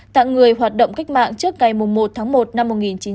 tặng người hoạt động cách mạng trước ngày một tháng một năm một nghìn chín trăm bốn mươi năm